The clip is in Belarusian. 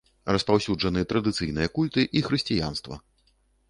Распаўсюджаны традыцыйныя культы і хрысціянства.